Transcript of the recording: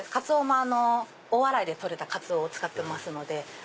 大洗で取れたカツオを使ってますので。